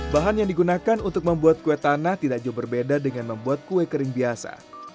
bahan yang digunakan untuk membuat kue tanah tidak jauh berbeda dengan membuat kue kering biasa